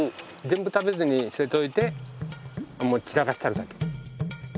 全部食べずに捨てといてもう散らかしてあるだけ。